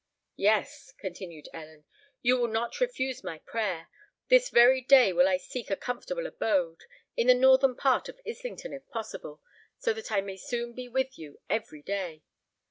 "Yes," continued Ellen, "you will not refuse my prayer! This very day will I seek a comfortable abode—in the northern part of Islington, if possible—so that I may soon be with you every day.